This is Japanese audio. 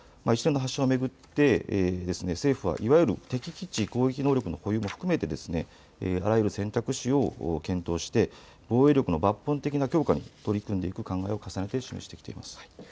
一連の発射を巡って、政府はいわゆる敵基地攻撃能力の保有も含めてあらゆる選択肢を検討して防衛力の抜本的な強化に取り込んでいく考えを重ねて示しています。